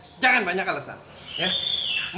mudah mudahan keinginan kamu itu bukan untuk kamu